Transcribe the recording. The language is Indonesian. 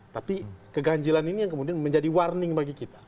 tapi keganjilan ini yang kemudian menjadi warning bagi kita